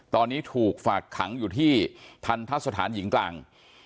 ตอนนี้ถูกฝากขังอยู่ที่ทันทะสถานหญิงกลาง